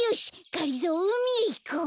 がりぞーうみへいこう。